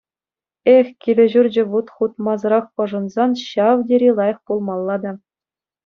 Эх, килӗ-ҫурчӗ вут хутмасӑрах ӑшӑнсан ҫав тери лайӑх пулмалла та.